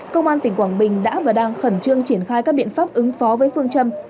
công an tỉnh quảng bình đã và đang khẩn trương triển khai các biện pháp ứng phó với phương châm